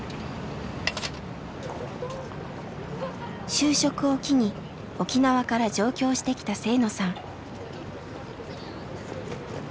就職を機に沖縄から上京してきた制野さん。